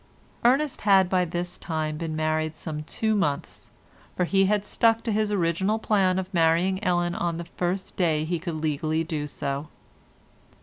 Ernest had by this time been married some two months, for he had stuck to his original plan of marrying Ellen on the first day he could legally do so.